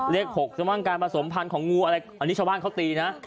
เลข๖จะมั่งการผสมพันธ์ของงูอะไรอันนี้ชาวบ้านเขาตีนะ